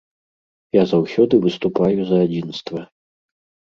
Я заўсёды выступаю за адзінства.